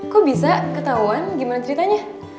kok bisa ketahuan gimana ceritanya